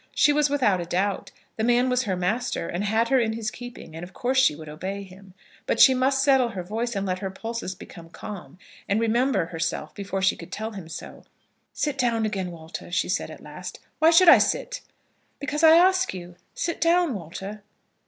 She was without a doubt. The man was her master, and had her in his keeping, and of course she would obey him. But she must settle her voice, and let her pulses become calm, and remember herself before she could tell him so. "Sit down again, Walter," she said at last. "Why should I sit?" "Because I ask you. Sit down, Walter."